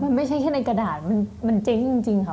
มันไม่ใช่แค่ในกระดาษมันเจ๊งจริงค่ะ